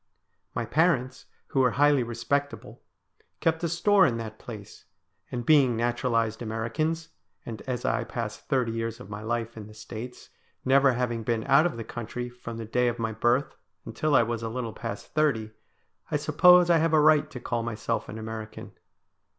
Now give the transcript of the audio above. My parents, who were highly respectable, kept a store in that place ; and being naturalised Americans, and as I passed thirty years of my life in the States, never having been out of the country from the day of my birth until I was a little past thirty, I suppose I have a right to call myself an American.